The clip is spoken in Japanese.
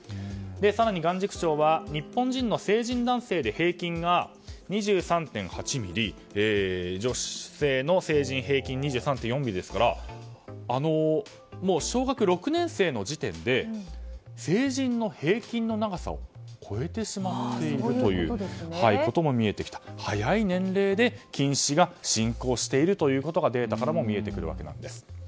更に眼軸長は日本人の成人男性で平均が２３．８ｍｍ女性の成人平均が２３．４ｍｍですからもう小学６年生の時点で成人の平均の長さを超えてしまっていることも見えてきた、早い年齢で近視が進行しているということがデータからも見えてくるわけです。